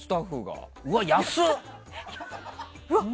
うわ、安っ！